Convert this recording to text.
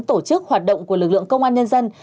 tổ chức hoạt động của lực lượng công an nhân dân